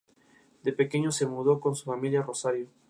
El Primer Ministro Jalifa bin Salman Al Jalifa es jefe del gobierno.